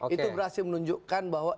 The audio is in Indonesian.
itu berhasil menunjukkan bahwa